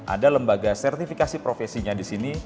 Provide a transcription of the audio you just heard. ada lembaga sertifikasi profesinya disini